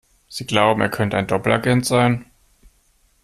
Sie glauben, er könnte ein Doppelagent sein?